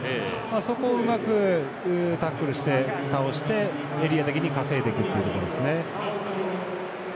そこをうまくタックルして倒してエリア的に稼いでいくということですね。